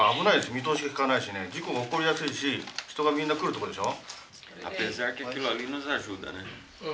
見通しが利かないしね事故が起こりやすいし人がみんな来る所でしょ。